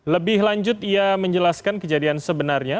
lebih lanjut ia menjelaskan kejadian sebenarnya